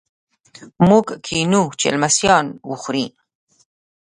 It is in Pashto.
موږ کینوو چې لمسیان وخوري.